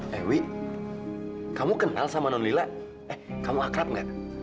dewi kamu kenal sama nolila eh kamu akrab gak